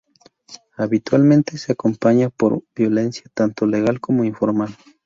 Habitualmente se ve acompañada por violencia, tanto legal como informal.